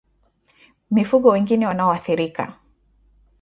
Mifugo wengine wanaoathirika